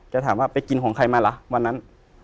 จะถามว่าไปกินของใครมาล่ะวันนั้น